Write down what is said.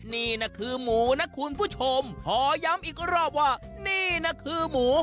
นี่นะคือหมูนะคุณผู้ชมขอย้ำอีกรอบว่านี่นะคือหมู